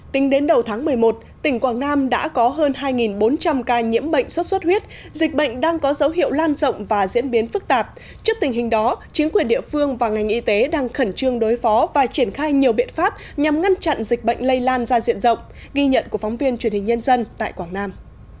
tính đến đầu tháng một mươi một tỉnh quảng nam đã có hơn hai bốn trăm linh ca nhiễm bệnh xuất xuất huyết dịch bệnh đang có dấu hiệu lan rộng và diễn biến phức tạp trước tình hình đó chính quyền địa phương và ngành y tế đang khẩn trương đối phó và triển khai nhiều biện pháp nhằm ngăn chặn dịch bệnh lây lan ra diện rộng ghi nhận của phóng viên truyền hình nhân dân tại quảng nam